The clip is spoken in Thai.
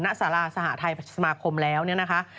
สาราสหทัยสมาคมแล้วเนี่ยนะคะ